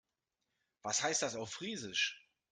Was heißt das auf Friesisch?